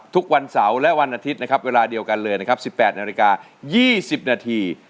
ทุกวันเสาร์และวันอาทิตย์นะครับเวลาเดียวกันเลยนะครับ๑๘นาฬิกา๒๐นาที